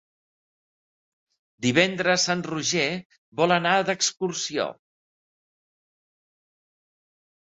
Divendres en Roger vol anar d'excursió.